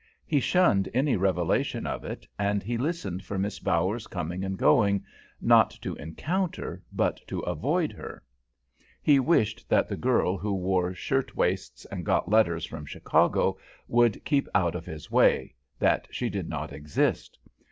He shunned any revelation of it, and he listened for Miss Bower's coming and going, not to encounter, but to avoid her. He wished that the girl who wore shirt waists and got letters from Chicago would keep out of his way, that she did not exist.